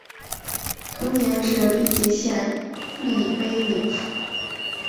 同年置毕节县隶威宁府。